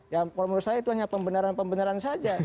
ya kalau menurut saya itu hanya pembenaran pembenaran saja